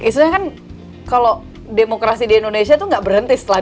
sebenarnya kan kalau demokrasi di indonesia itu nggak berhenti setelah dua ribu sembilan belas